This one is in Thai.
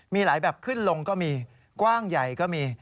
มีหลายแบบขึ้นลงก็มีกว้างใหญ่ก็มี